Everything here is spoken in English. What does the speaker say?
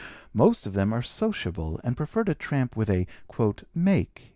Most of them are sociable and prefer to tramp with a 'make.'